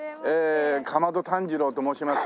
竈門炭治郎と申します。